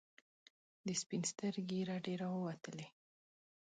د سپین سترګي رډي راووتلې.